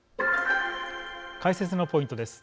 解説のポイントです。